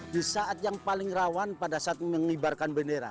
di saat yang paling rawan pada saat mengibarkan bendera